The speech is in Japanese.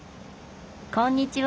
こんにちは！